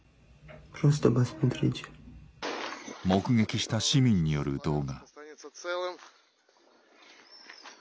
目撃した市民による動画。